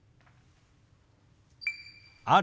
「ある」。